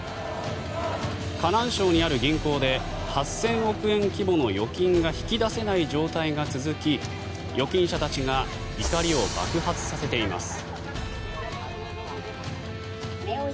河南省にある銀行で８０００億円規模の預金が引き出せない状態が続き預金者たちが怒りを爆発させています。